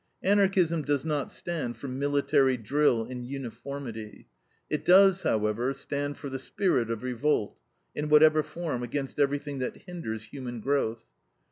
Anarchism does not stand for military drill and uniformity; it does, however, stand for the spirit of revolt, in whatever form, against everything that hinders human growth.